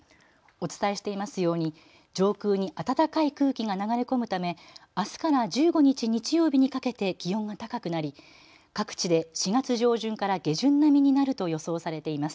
お伝えしていますように上空に暖かい空気が流れ込むためあすから１５日日曜日にかけて気温が高くなり各地で４月上旬から下旬並みになると予想されています。